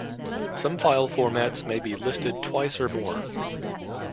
Some file formats may be listed twice or more.